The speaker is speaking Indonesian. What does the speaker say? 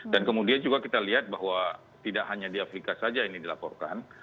dan kemudian juga kita lihat bahwa tidak hanya di afrika saja ini dilaporkan